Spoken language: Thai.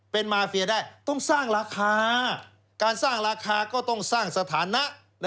เป็นมาเฟียได้ต้องสร้างราคาการสร้างราคาก็ต้องสร้างสถานะ